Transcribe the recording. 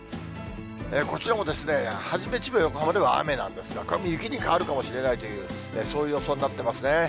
こちらも初め、千葉、横浜では雨なんですが、これも雪に変わるかもしれないという、そういう予想になってますね。